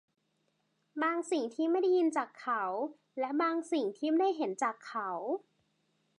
บางสิ่งที่ไม่ได้ยินจากเขา และบางสิ่งที่ไม่ได้เห็นจากเขา